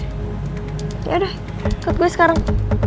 ya udah ikut gue sekarang